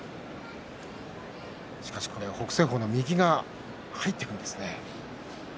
しかし北青鵬の右が入っているんですね。